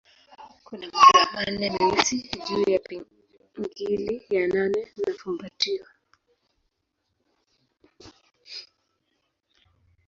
Kuna madoa manne meusi juu ya pingili ya nane ya fumbatio.